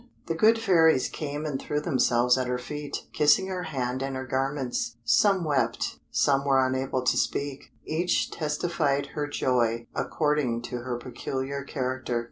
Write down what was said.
The good fairies came and threw themselves at her feet, kissing her hand and her garments. Some wept, some were unable to speak; each testified her joy according to her peculiar character.